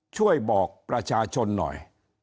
ช่วยบอกประชาชนหน่อย